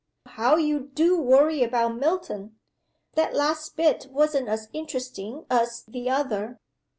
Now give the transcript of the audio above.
"How you do worry about Milton! That last bit wasn't as interesting as the other.